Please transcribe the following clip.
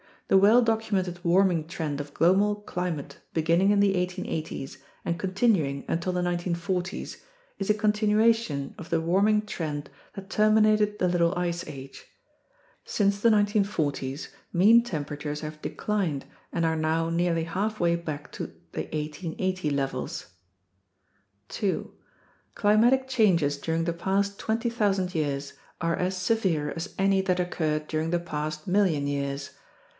The well documented warming trend of global climate beginning in the 1880's and continuing until the 1940's is a continuation of the warming trend that terminated the Little Ice Age. Since the 1940's, mean temperatures have declined and are now nearly halfway back to the 1 880 levels. 2. Climatic changes during the past 20,000 years are as severe as any that occurred during the past million years.